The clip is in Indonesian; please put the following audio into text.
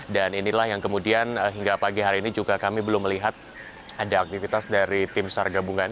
dan inilah yang kemudian hingga pagi hari ini juga kami belum melihat ada aktivitas dari tim sargabungan